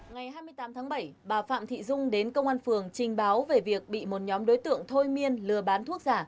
ngày hai mươi tám tháng bảy bà phạm thị dung đến công an phường trình báo về việc bị một nhóm đối tượng thôi miên lừa bán thuốc giả